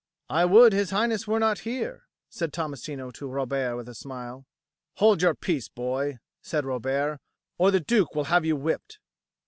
"I would his Highness were not here," said Tommasino to Robert with a smile. "Hold your peace, boy," said Robert, "or the Duke will have you whipped."